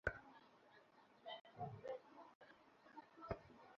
বামে বিস্তীর্ণ নিম্নভূমি ছিল।